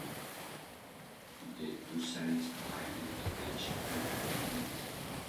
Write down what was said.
However, the two sides failed to reach an agreement.